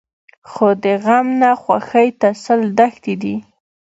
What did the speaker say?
خو د غم نه خوښۍ ته سل دښتې دي.